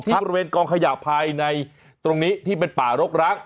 บริเวณกองขยะภายในตรงนี้ที่เป็นป่ารกร้าง